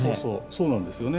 そうなんですよね。